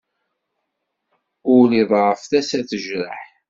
Ul iḍɛef tasa tejreḥ.